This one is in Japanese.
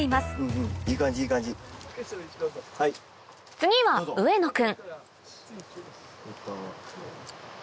次は上野君